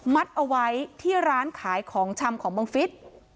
เอาไว้ที่ร้านขายของชำของบังฟิศ